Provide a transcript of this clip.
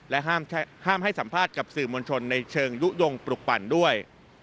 และห้ามให้สัมภาษณ์กับสื่อมวลชนในเชิงยุโยงปลุกปั่นด้วย